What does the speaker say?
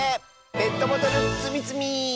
「ペットボトルつみつみ」！